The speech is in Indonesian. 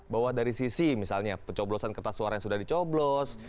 bahwa dari sisi misalnya pencoblosan kertas suara yang sudah dicoblos